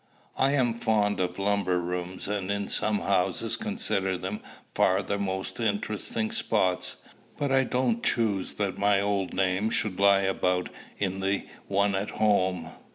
I am fond of lumber rooms, and in some houses consider them far the most interesting spots; but I don't choose that my old name should lie about in the one at home.